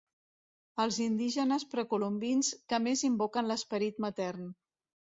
Els indígenes precolombins que més invoquen l'esperit matern.